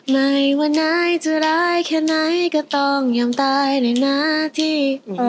ไม่ว่านายจะร้ายแค่ไหนก็ต้องยอมตายในหน้าที่